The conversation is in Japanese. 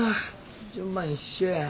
順番一緒や。